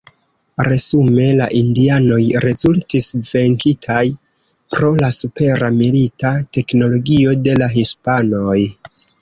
Resume la indianoj rezultis venkitaj pro la supera milita teknologio de la hispanoj.